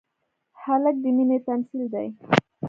هلک د مینې تمثیل دی.